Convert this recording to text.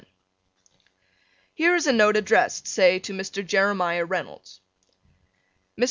Here is a note addressed, say to Mr. Jeremiah Reynolds. Mr.